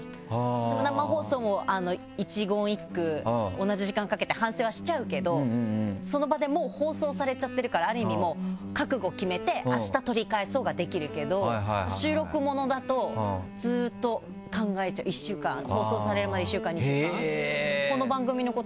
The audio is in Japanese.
私も生放送一言一句同じ時間かけて反省はしちゃうけどその場でもう放送されちゃってるからある意味もう覚悟決めて「明日取り返そう」ができるけど収録ものだとずっと考えちゃう１週間放送されるまで１週間２週間。